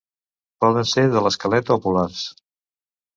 Poden ser de l'esquelet o polars.